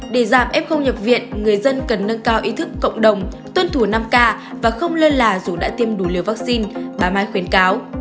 để giảm f nhập viện người dân cần nâng cao ý thức cộng đồng tuân thủ năm k và không lơ là dù đã tiêm đủ liều vaccine bà mai khuyến cáo